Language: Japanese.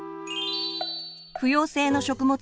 不溶性の食物